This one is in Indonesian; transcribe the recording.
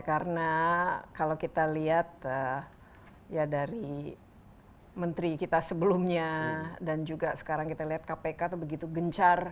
karena kalau kita lihat ya dari menteri kita sebelumnya dan juga sekarang kita lihat kpk itu begitu gencar